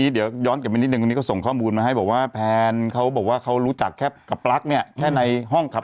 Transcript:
เดี๋ยวสาวแอดกันอีกอะ